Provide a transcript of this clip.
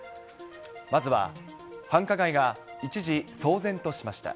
まずは、繁華街が一時騒然としました。